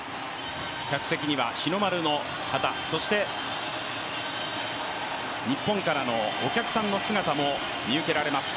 客席には日の丸の旗、そして、日本からのお客さんの姿も見受けられます。